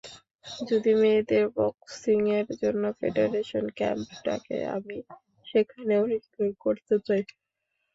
যদি মেয়েদের বক্সিংয়ের জন্য ফেডারেশন ক্যাম্প ডাকে, আমি সেখানে অনুশীলন করতে চাই।